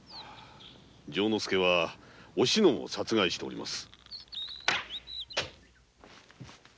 丈之助はおしのを殺害しております。